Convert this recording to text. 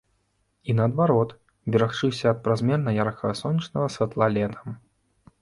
І наадварот, берагчыся ад празмерна яркага сонечнага святла летам.